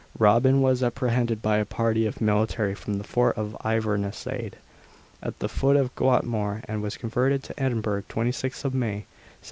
Robin was apprehended by a party of military from the fort of Inversnaid, at the foot of Gartmore, and was conveyed to Edinburgh 26th May 1753.